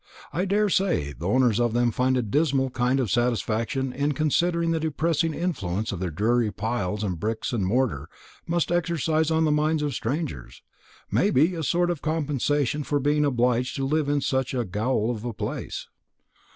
I daresay the owners of them find a dismal kind of satisfaction in considering the depressing influence their dreary piles of bricks and mortar must exercise on the minds of strangers; may be a sort of compensation for being obliged to live in such a gaol of a place."